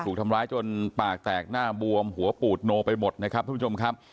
ถูกทำร้ายจนปากแตกหน้าบวมหัวปูดโนไปหมดนะครับ